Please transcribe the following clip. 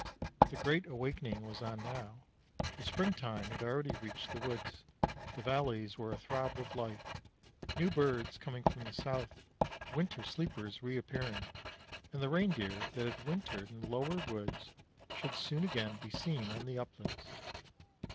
The great awakening was on now. The springtime had already reached the woods; the valleys were a throb with life; new birds coming from the south, winter sleepers reappearing, and the Reindeer that had wintered in the lower woods should soon again be seen on the uplands.